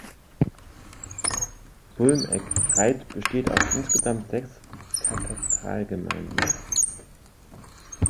Sulmeck-Greith besteht aus insgesamt sechs Katastralgemeinden.